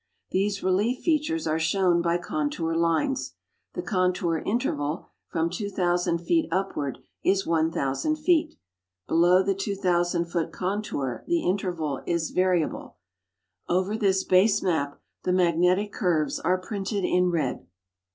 These relief features are shown by contour lines. The contour interval, from 2,000 feet upward, is 1,000 feet. Below the 2,(M)() foot con tour the interval is variable. Over this base map the magnetic curves are printed in red.